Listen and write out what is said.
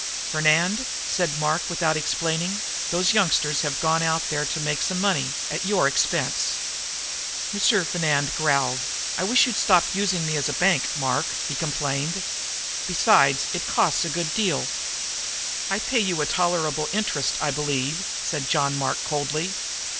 "Fernand," said Mark, without explaining, "those youngsters have gone out there to make some money at your expense." M. Fernand growled. "I wish you'd stop using me as a bank, Mark," he complained. "Besides, it costs a good deal." "I pay you a tolerable interest, I believe," said John Mark coldly.